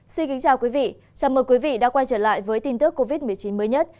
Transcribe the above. xin kính chào quý vị chào mừng quý vị đã quay trở lại với tin tức covid một mươi chín mới nhất